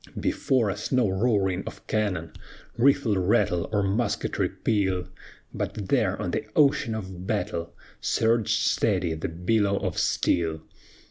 "Before us no roaring of cannon, Rifle rattle, or musketry peal; But there on the ocean of battle Surged steady the billow of steel.